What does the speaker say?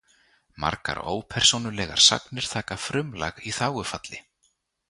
Margar ópersónulegar sagnir taka frumlag í þágufalli.